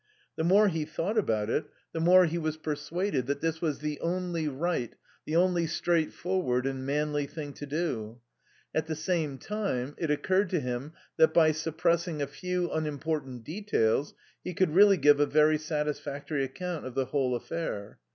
The more he thought about it the more he was persuaded that this was the only right, the only straightforward and manly thing to do; at the same time it occurred to him that by suppressing a few unimportant details he could really give a very satisfactory account of the whole affair.